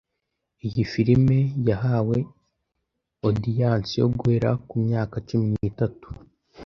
Iyi firime yahawe odiyanse yo guhera ku myaka cumi nitatu